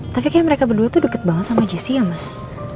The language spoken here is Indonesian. tapi kayaknya mereka berdua tuh deket banget sama jessi ya mas